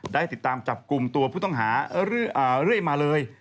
ได้ติดตามจับกลุ่มตัวผู้ต้องหาเรื่อยมาเลย